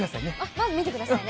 まず見てくださいね。